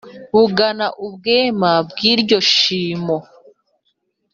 Bungana ubwema bw'iryo shimo.